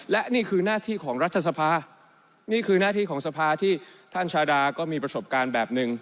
และนี่คือหน้าที่ของรัฐสภานี่คือหน้าที่ของสภาที่ท่านชาดาก็มีประสบการณ์แบบหนึ่ง